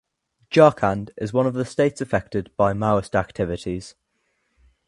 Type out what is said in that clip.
Jharkhand is one of the states affected by Maoist activities.